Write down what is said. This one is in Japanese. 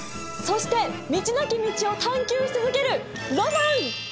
そして道なき道を探究し続けるロマン！